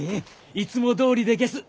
いつもどおりでげす。